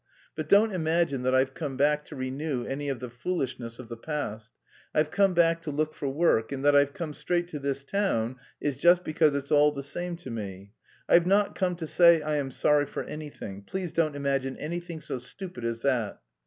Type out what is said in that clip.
But don't imagine that I've come back to renew any of the foolishness of the past. I've come back to look for work, and that I've come straight to this town is just because it's all the same to me. I've not come to say I am sorry for anything; please don't imagine anything so stupid as that."